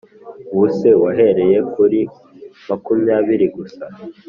ubuse wahereye kuri makumyabiri gusa